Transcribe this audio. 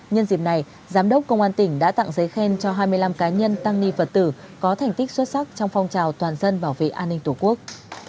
nhân dịp này giám đốc công an tỉnh đã tặng giấy khen cho hai mươi năm cá nhân tăng ni phật tử có thành tích xuất sắc trong phong trào toàn dân bảo vệ an ninh tổ quốc